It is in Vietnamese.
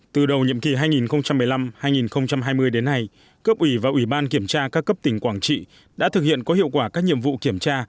từ đầu nhiệm kỳ hai nghìn một mươi năm hai nghìn hai mươi đến nay cấp ủy và ủy ban kiểm tra các cấp tỉnh quảng trị đã thực hiện có hiệu quả các nhiệm vụ kiểm tra